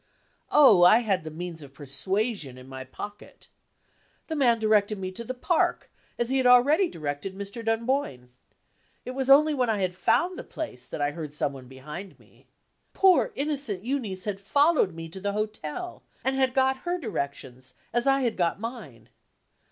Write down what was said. Oh, I had the means of persuasion in my pocket! The man directed me to the park, as he had already directed Mr. Dunboyne. It was only when I had found the place, that I heard some one behind me. Poor innocent Euneece had followed me to the hotel, and had got her directions, as I had got mine.